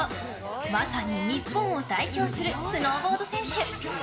まさに日本を代表するスノーボード選手。